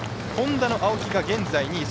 Ｈｏｎｄａの青木が現在２位。